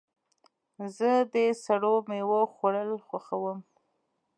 زه د سړو میوو خوړل خوښوم.